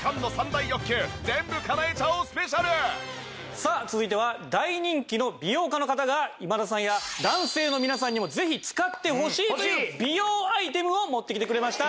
さあ続いては大人気の美容家の方が今田さんや男性の皆さんにもぜひ使ってほしいという美容アイテムを持ってきてくれました。